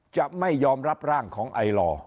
จะไม่ยอมรับร่างของไอลอ